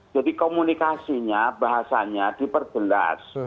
jadi komunikasinya bahasanya diperjelas